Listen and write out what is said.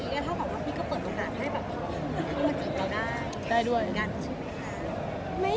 อเรนนี่ก็เปิดงานให้คนมาจิตเราได้